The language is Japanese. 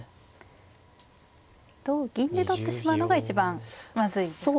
同銀で取ってしまうのが一番まずいですかね。